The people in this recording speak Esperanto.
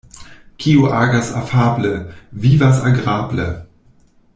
Kiu agas afable, vivas agrable.